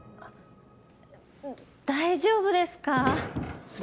大丈夫ですか？